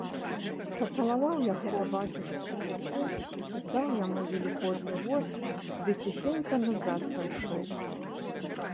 Пацалаваў я гэта бацюшку ў руку, здаў яму велікодны воз ды ціхенька назад пайшоў.